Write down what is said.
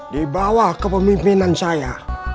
dibawah kepemimpinan saya